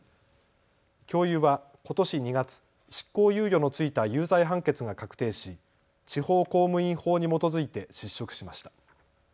教諭はことし２月、執行猶予の付いた有罪判決が確定し、地方公務員法に基づいて失職しました。